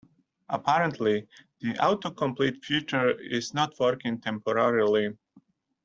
Apparently, the autocomplete feature is not working temporarily.